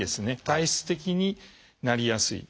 体質的になりやすい。